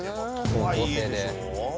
高校生で。